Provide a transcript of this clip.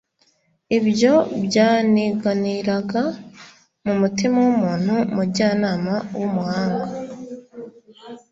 ibyo byaniganiraga mu mutima w'uyu mujyanama w'umuhanga.